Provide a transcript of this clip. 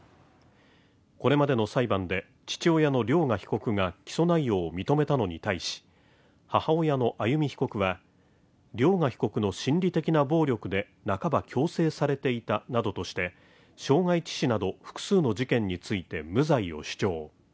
これまでの裁判で、父親の涼雅被告が起訴内容を認めたのに対し母親の歩被告は、涼雅被告の心理的な暴力で半ば強制されていたなどとして、傷害致死などの複数の事件について無罪を主張。